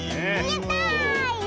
やった！